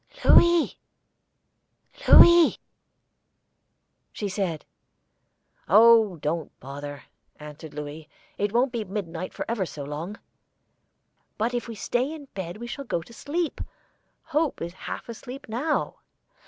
"Louis! Louis!" she said. "Oh, don't bother," answered Louis. "It won't be midnight for ever so long." "But if we stay in bed we shall go to sleep. Hope is half asleep now."